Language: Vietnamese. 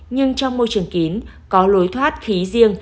nhưng trong môi trường kín